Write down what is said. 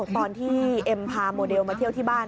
ตอนที่เอ็มพาแมลกฟังประกิษมาเที่ยวที่บ้าน